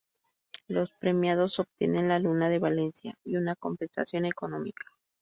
Los premiados obtienen la 'Luna de Valencia' y una compensación económica.